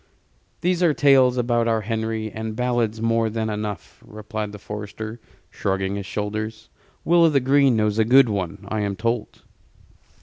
"There are tales about our Henry, and ballads more than enough," replied the forester, shrugging his shoulders. "Will o' th' Green knows a good one, I am told."